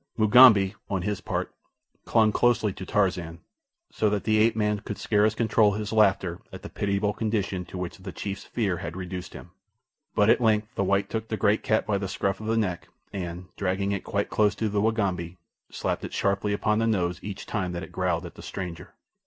Mugambi, on his part, clung closely to Tarzan, so that the ape man could scarce control his laughter at the pitiable condition to which the chief's fear had reduced him; but at length the white took the great cat by the scruff of the neck and, dragging it quite close to the Wagambi, slapped it sharply upon the nose each time that it growled at the stranger.